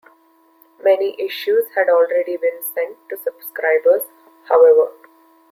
Many issues had already been sent to subscribers, however.